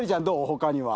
他には。